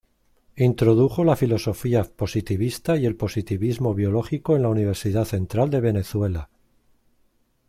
Introdujo la filosofía positivista y el positivismo biológico en la Universidad Central de Venezuela.